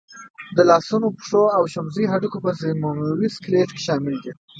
د لاسنونو، پښو او شمزۍ هډوکي په ضمیموي سکلېټ کې شامل دي.